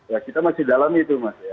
ya kita masih dalam itu mas ya